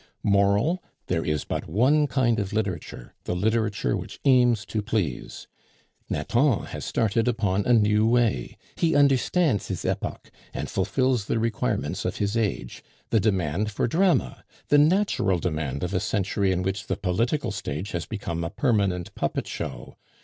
Moral 'There is but one kind of literature, the literature which aims to please. Nathan has started upon a new way; he understands his epoch and fulfils the requirements of his age the demand for drama, the natural demand of a century in which the political stage has become a permanent puppet show.